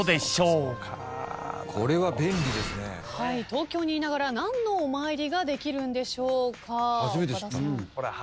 東京にいながら何のお参りができるんでしょうか岡田さん。